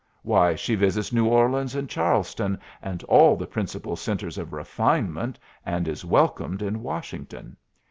"Why she visits New Orleans, and Charleston, and all the principal centres of refinement, and is welcomed in Washington.